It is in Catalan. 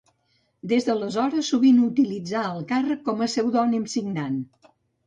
Des d'aleshores sovint utilitzà el càrrec com a pseudònim signant: